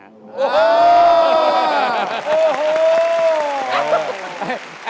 โอ้โห